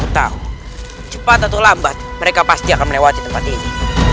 cepat atau lambat mereka pasti akan melewati tempat ini